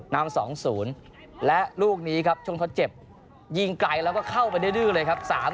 นำ๒๐และลูกนี้ครับช่วงทดเจ็บยิงไกลแล้วก็เข้าไปดื้อเลยครับ